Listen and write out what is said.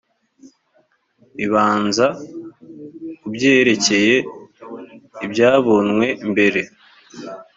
ibanza ku byerekeye ibyabonwe mbere